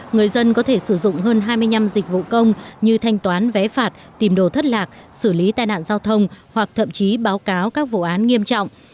người dân có thể sử dụng hơn hai mươi năm dịch vụ công như thanh toán vé phạt tìm đồ thất lạc xử lý tai nạn giao thông hoặc thậm chí báo cáo các vụ án nghiêm trọng